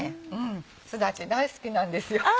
すだち大好きなんですよ。